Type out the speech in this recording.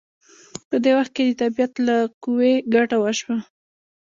په دې وخت کې د طبیعت له قوې ګټه وشوه.